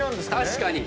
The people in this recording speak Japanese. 確かに。